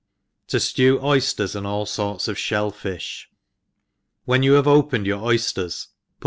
To Jiew Oysters, and aU Sorts of Shell Fish. WHEN you have opened your oyfters, put